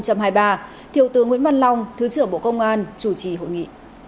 thiếu tướng nguyễn văn long thứ trưởng bộ công an chủ trì hội nghị